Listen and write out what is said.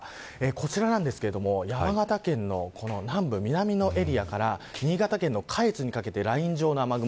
こちらですが山形県の南部、南のエリアから新潟県の下越にかけてライン上の雨雲